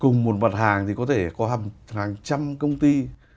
cùng một mặt hàng thì có thể có hàng trăm công ty